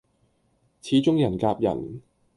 始終人夾人